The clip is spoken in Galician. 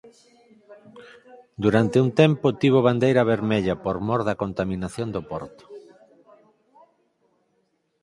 Durante un tempo tivo bandeira vermella por mor da contaminación do porto.